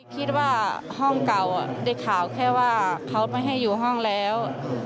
คิดว่าห้องเก่าได้ข่าวแค่ว่าเขาไม่ให้อยู่ห้องแล้ว